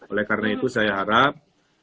oleh karena itu saya harap